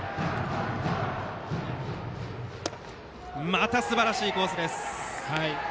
またすばらしいコースです！